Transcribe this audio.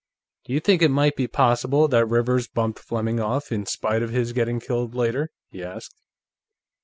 "Do you think it might be possible that Rivers bumped Fleming off, in spite of his getting killed later?" he asked.